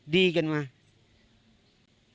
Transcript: ดีกันมา